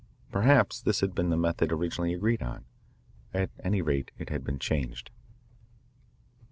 Perhaps this had been the method originally agreed on. At any rate it had been changed.